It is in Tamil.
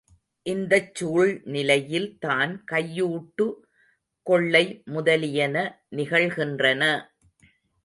இந்தச் சூழ்நிலையில் தான் கையூட்டு, கொள்ளை முதலியன நிகழ்கின்றன!